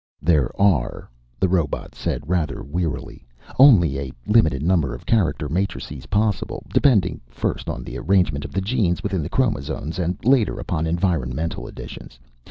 "There are," the robot said rather wearily, "only a limited number of character matrices possible, depending first on the arrangement of the genes within the chromosomes, and later upon environmental additions.